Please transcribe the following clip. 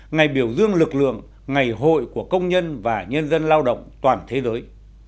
ngày biểu dương lực lượng ngày hội của công nhân và nhân dân lao động toàn thế giới